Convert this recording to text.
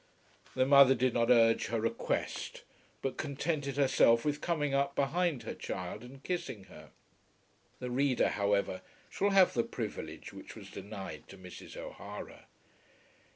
The mother did not urge her request, but contented herself with coming up behind her child and kissing her. The reader, however, shall have the privilege which was denied to Mrs. O'Hara.